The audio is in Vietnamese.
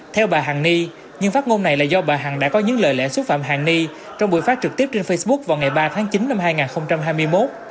theo bà hàn ni nhưng phát ngôn này là do bà hằng đã có những lời lẽ xúc phạm hàn ni trong buổi phát trực tiếp trên facebook vào ngày ba tháng chín năm hai nghìn hai mươi một